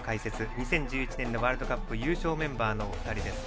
２０１１年のワールドカップ優勝メンバーのお二人です。